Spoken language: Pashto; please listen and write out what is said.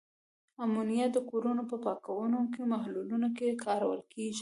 امونیا د کورونو په پاکوونکو محلولونو کې کارول کیږي.